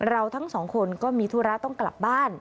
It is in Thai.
เราทั้งสองคนก็มีธุระต้องกลับบ้าน